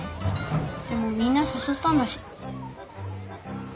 でもみんなさそったんだし。